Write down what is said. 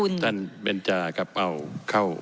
และชาวต่างประเทศใช้ประเมินถึงความเหมาะสมคุ้มค่าในการลงทุน